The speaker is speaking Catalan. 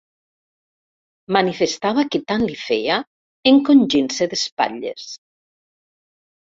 Manifestava que tant li feia encongint-se d'espatlles.